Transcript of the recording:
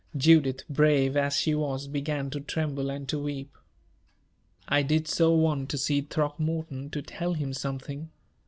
Judith, brave as she was, began to tremble and to weep. "I did so want to see Throckmorton, to tell him something.